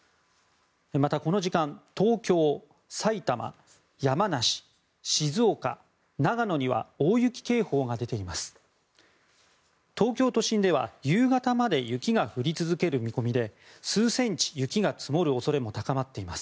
また、この時間東京、埼玉、山梨静岡、長野には大雪警報が出ています。